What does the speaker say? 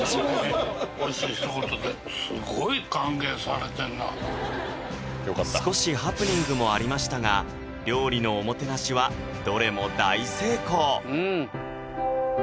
「おいしい」ひと言で少しハプニングもありましたが料理のおもてなしはどれも大成功！